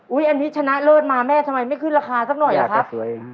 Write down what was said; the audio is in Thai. อันนี้ชนะเลิศมาแม่ทำไมไม่ขึ้นราคาสักหน่อยล่ะครับ